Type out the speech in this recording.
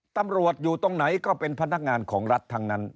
ตำรวจอยู่ตรงไหนก็เป็นพนักงานของรัฐทั้งนั้น